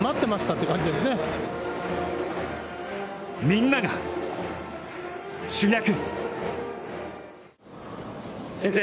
みんなが主役。